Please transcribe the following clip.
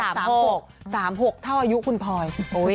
๓๖ท่าวอายุคุณปลอย